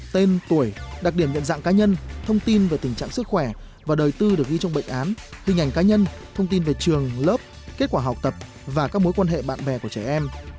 tên tuổi đặc điểm nhận dạng cá nhân thông tin về tình trạng sức khỏe và đời tư được ghi trong bệnh án hình ảnh cá nhân thông tin về trường lớp kết quả học tập và các mối quan hệ bạn bè của trẻ em